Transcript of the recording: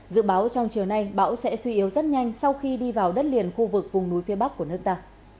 dự báo trong chiều nay bão sẽ suy yếu rất nhanh sau khi đi vào đất liền khu vực vùng núi phía bắc của nước ta